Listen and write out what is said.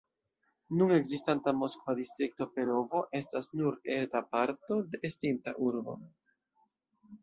Nun ekzistanta moskva distrikto Perovo estas nur eta parto de estinta urbo.